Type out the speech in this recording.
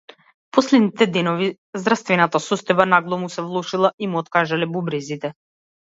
Последните денови здравствената состојба нагло му се влошила и му откажале бубрезите.